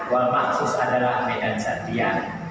warga khusus adalah medan satria